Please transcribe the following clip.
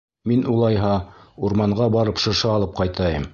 Мин, улайһа, урманға барып шыршы алып ҡайтайым.